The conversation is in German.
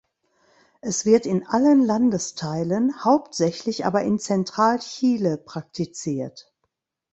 Es wird in allen Landesteilen, hauptsächlich aber in Zentralchile praktiziert.